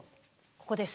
ここです。